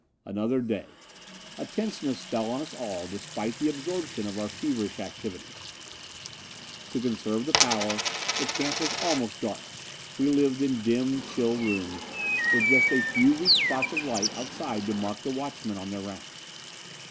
Another day. A tenseness fell on us all, despite the absorption of our feverish activities. To conserve the power, the camp was almost dark, we lived in dim, chill rooms, with just a few weak spots of light outside to mark the watchmen on their rounds.